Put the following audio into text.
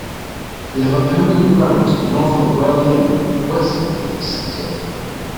They have a permanent ground north of Well Lane, west of the village centre.